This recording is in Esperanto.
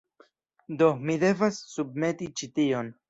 Do, mi devas submeti ĉi tion